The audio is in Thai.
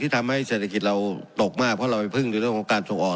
ทำให้เศรษฐกิจเราตกมากเพราะเราไปพึ่งในเรื่องของการส่งออก